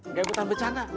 gak ikutan bercanda